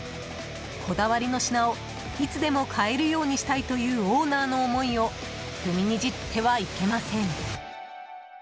こだわりの品をいつでも買えるようにしたいというオーナーの思いを踏みにじってはいけません。